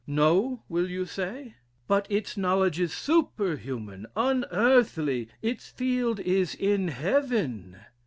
'No,' will you say? 'but its knowledge is superhuman, unearthly its field is in heaven.'